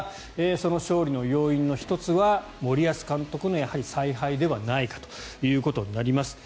その勝利の要因の１つは森保監督の采配ではないかということになります。